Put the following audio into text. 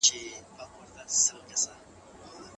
مطالعه د ماشوم د فکر پراختیا کوي.